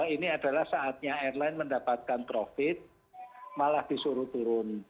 ini adalah saatnya airline mendapatkan profit malah disuruh turun